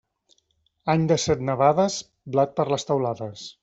Any de set nevades, blat per les teulades.